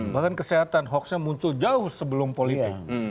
bahkan kesehatan hoaxnya muncul jauh sebelum politik